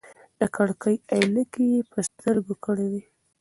د ککرۍ عینکې یې په سترګو کړې.